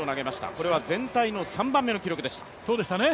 これは全体の３番目の記録でした。